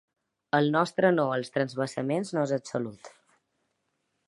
El nostre no als transvasaments no és absolut.